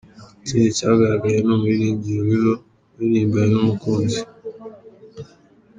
Ikindi cyagaragaye ni umuririmbyi Lolilo waririmbanye numukunzi.